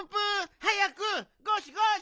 はやくゴシゴシ！